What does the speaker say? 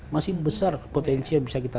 masih besar potensi yang bisa kita